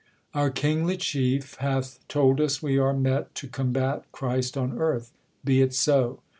Our kingly chief hath told us we are met To combat Christ on earth. Be't so